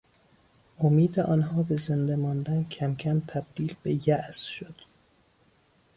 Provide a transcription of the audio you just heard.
امید آنها به زنده ماندن کمکم تبدیل به یاس شد.